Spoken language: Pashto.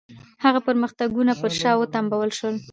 هغه پرمختګونه پر شا وتمبول شول.